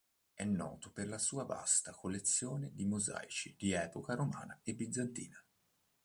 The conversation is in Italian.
È noto per la sua vasta collezione di mosaici di epoca romana e bizantina.